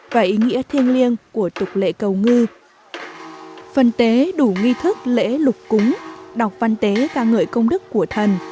phần tế đủ nghi thức lễ lục cúng đọc văn tế ca ngợi công đức của thần